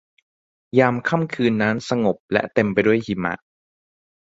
ยามค่ำคืนนั้นสงบและเต็มไปด้วยหิมะ